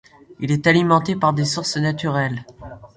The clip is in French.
Il est alimenté par des sources naturelles.